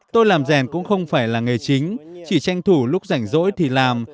tôi làm rèn cũng không phải là nghề chính chỉ tranh thủ lúc rảnh rỗi thì làm